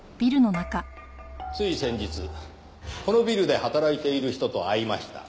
つい先日このビルで働いている人と会いました。